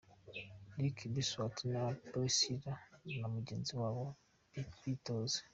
Ricky Paswords ba Priscilah na mugenzi wabo bitoza.